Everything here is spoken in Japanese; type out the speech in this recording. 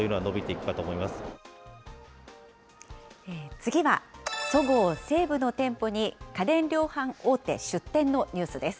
次は、そごう・西武の店舗に、家電量販大手出店のニュースです。